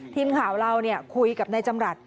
ทีมข่าวเราคุยกับนายจำรัฐ